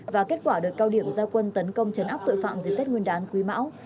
và kết quả đợt cao điểm giao quân tấn công chấn áp tội phạm dịp tết nguyên đán quý mão